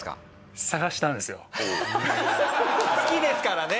好きですからね。